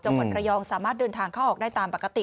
จังหวัดระยองสามารถเดินทางเข้าออกได้ตามปกติ